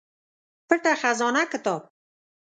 پټه خزانه کتاب